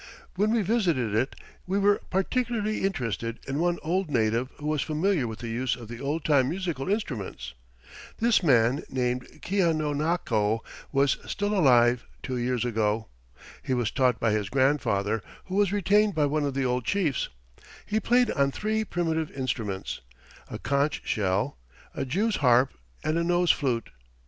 When we visited it, we were particularly interested in one old native who was familiar with the use of the old time musical instruments. This man, named Keanonako, was still alive two years ago. He was taught by his grandfather, who was retained by one of the old chiefs. He played on three primitive instruments a conch shell, a jew's harp and a nose flute.